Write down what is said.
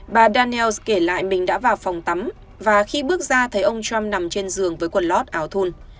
bà dannels kể lại mình đã vào phòng tắm và khi bước ra thấy ông trump nằm trên giường với quần lót áo thun